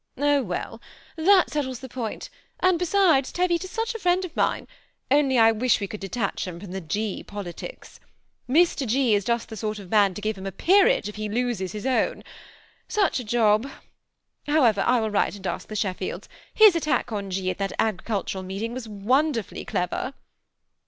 ^ Oh well ! then that settles the point ; and besides, Teviot is such a friend of mine, only I wish we could detach him from the G. politics. Mr. 6. is just the sort of man to give him a peerage, if he loses his own. Such a job ! However, I will write and ask the Shef fields; his attack on G. at that agricultural meeting was wonderfully clever."